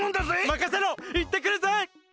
まかせろいってくるぜ！